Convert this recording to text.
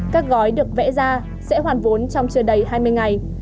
các gói được vẽ ra sẽ hoàn vốn trong chưa đầy hai mươi ngày